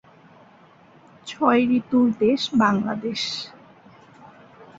ছবির সংগীত সমালোচকদের প্রশংসা কুড়ায়।